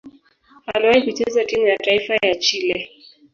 Aliwahi kucheza timu ya taifa ya Chile.